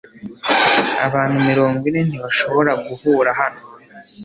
Abantu mirongo ine ntibashobora guhura hano .